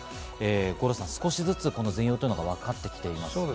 五郎さん、少しずつ全容がわかってきていますね。